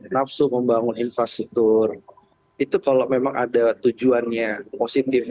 nafsu membangun infrastruktur itu kalau memang ada tujuannya positif